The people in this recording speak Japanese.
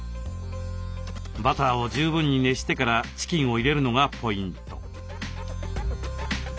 バターを十分に熱してからチキンを入れるのがポイント。